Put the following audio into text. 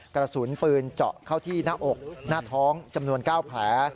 กระสุนปืนเจาะเข้าที่หน้าอกหน้าท้องจำนวน๙แผล